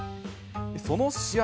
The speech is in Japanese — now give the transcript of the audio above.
その試合